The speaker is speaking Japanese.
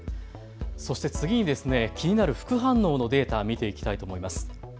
そして次に、気になる副反応のデータ、見ていきたいと思います。